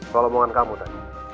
soal omongan kamu tadi